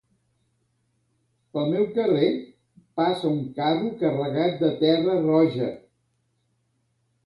Pel meu carrer passa un carro carregat de terra roja.